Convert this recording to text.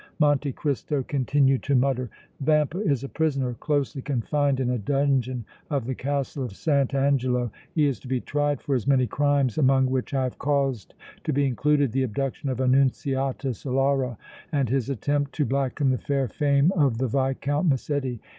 Monte Cristo continued to mutter: "Vampa is a prisoner, closely confined in a dungeon of the Castle of St. Angelo. He is to be tried for his many crimes, among which I have caused to be included the abduction of Annunziata Solara and his attempt to blacken the fair fame of the Viscount Massetti.